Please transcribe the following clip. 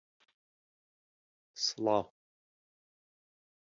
بە دڵ و گیانم وڵاتەکەمم خۆش دەوێت.